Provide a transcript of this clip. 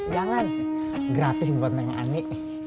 jangan gratis buat neng ani